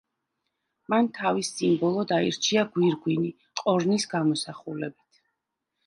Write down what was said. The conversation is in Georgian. მან თავის სიმბოლოდ აირჩია გვირგვინი ყორნის გამოსახულებით.